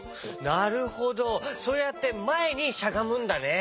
なるほどそうやってまえにしゃがむんだね。